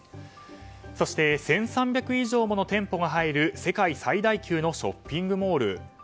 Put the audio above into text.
そして、１３００以上もの店舗が入る世界最大級のショッピングモール。